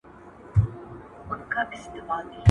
موږ بايد سياسي پوهه زياته کړو.